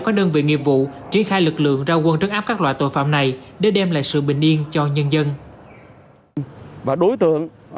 các đơn vị nghiệp vụ tri khai lực lượng ra quân trấn áp các loại tội phạm này để đem lại sự bình yên cho nhân dân